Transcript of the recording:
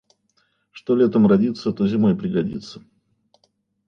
Что летом родится, то зимой пригодится.